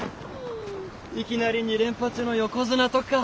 いきなり２連覇中の横綱とか。